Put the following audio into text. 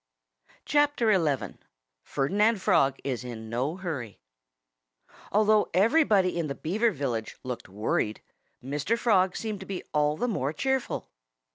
XI FERDINAND FROG IS IN NO HURRY Although everybody in the Beaver village looked worried, Mr. Frog seemed to be all the more cheerful.